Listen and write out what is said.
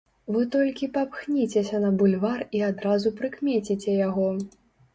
Вы толькі папхніцеся на бульвар і адразу прыкмеціце яго.